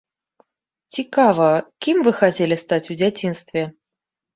Цікава, кім вы хацелі стаць у дзяцінстве?